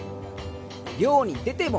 漁に出ても。